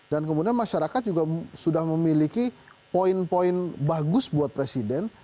dan kemudian masyarakat juga sudah memiliki poin poin bagus buat presiden